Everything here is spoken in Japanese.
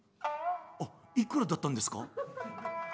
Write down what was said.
「あっいくらだったんですか？」。